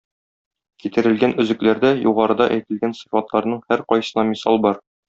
Китерелгән өзекләрдә югарыда әйтелгән сыйфатларның һәркайсына мисал бар.